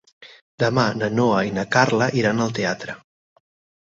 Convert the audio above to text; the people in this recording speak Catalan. Demà na Noa i na Carla iran al teatre.